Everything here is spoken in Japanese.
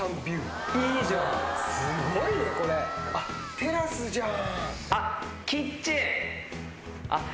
テラスじゃん。